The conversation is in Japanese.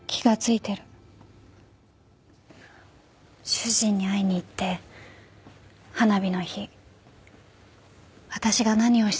主人に会いに行って花火の日私が何をしてたか聞いたらしいの。